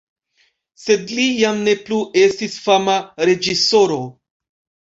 Sed li jam ne plu estis fama reĝisoro.